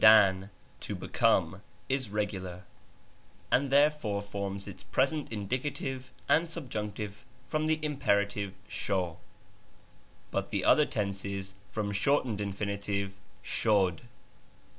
ahudan, to become, is regular, and therefore forms its present indicative and subjunctive from the imperative ^i, sho, but the other tenses from shortened infinitive jJL xhud.